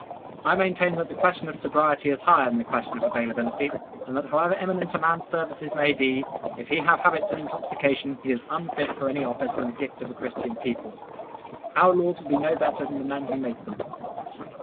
I maintain that the question of sobriety is higher than the question of availability; and that however eminent a man's services may be, if he have habits of intoxication, he is unfit for any office in the gift of a Christian people. Our laws will be no better than the men who make them.